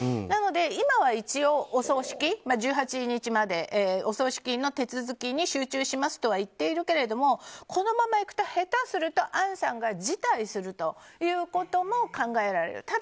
なので今は一応１８日までお葬式の手続きに集中しますとは言っているけれどもこのままいくと、下手するとアンさんが辞退するということも考えられる。